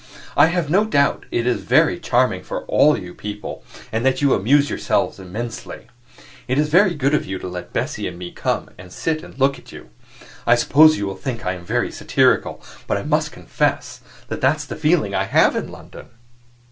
I have no doubt it is very charming for all you people, and that you amuse yourselves immensely. It is very good of you to let Bessie and me come and sit and look at you. I suppose you will think I am very satirical, but I must confess that that's the feeling I have in London."